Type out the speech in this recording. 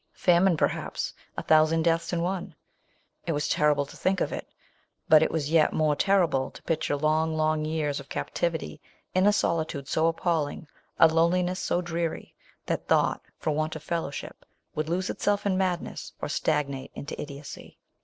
Famine perhaps — a thou sand deaths in one I It was terrible to think of it — but it was yet more ter rible to picture long, long years of captivity, in a solitude so appalling, a loneliness so dreary, that thought, for want of fellowship, would lose itself in madness, or stagnate into idiocy.